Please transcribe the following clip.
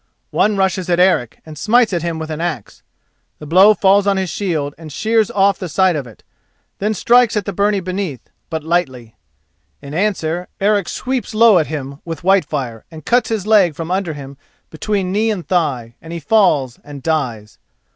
One rushes at Eric and smites at him with an axe. The blow falls on his shield, and shears off the side of it, then strikes the byrnie beneath, but lightly. In answer Eric sweeps low at him with Whitefire, and cuts his leg from under him between knee and thigh, and he falls and dies.